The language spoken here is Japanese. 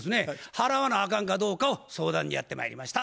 払わなあかんかどうかを相談にやってまいりました。